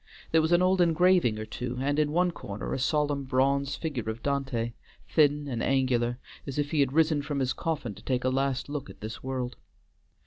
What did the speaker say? There was an old engraving or two, and in one corner a solemn bronze figure of Dante, thin and angular, as if he had risen from his coffin to take a last look at this world.